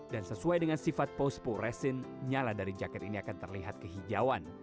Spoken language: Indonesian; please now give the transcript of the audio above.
dan sesuai dengan sifat post proresist nyala dari jaket ini akan terlihat kehijauan